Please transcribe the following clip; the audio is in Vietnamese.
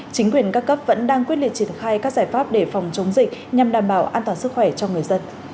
chính quyền các cấp vẫn đang quyết liệt triển khai các giải pháp để phòng chống dịch nhằm đảm bảo an toàn sức khỏe cho người dân